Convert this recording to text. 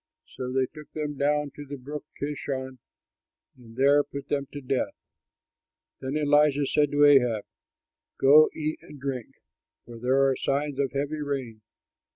So they took them down to the Brook Kishon and there put them to death. Then Elijah said to Ahab, "Go, eat and drink; for there are signs of a heavy rain."